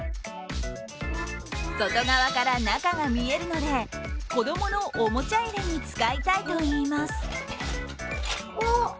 外側から中が見えるので子供のおもちゃ入れに使いたいと言います。